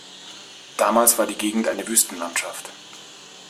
Damals war die Gegend eine Wüstenlandschaft.